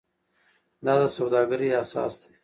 دا د سوداګرۍ اساس دی.